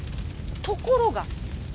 ところが。